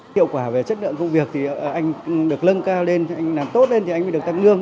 hiệu quả về chất lượng công việc thì anh được lân cao lên anh làm tốt lên thì anh mới được tăng lương